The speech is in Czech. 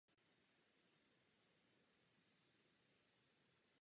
Vyšší úrovně hladiny dosahuje v zimě.